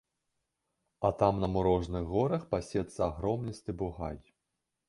А там на мурожных горах пасецца агромністы бугай.